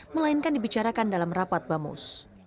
melainkan dibicarakan dalam rapat bamus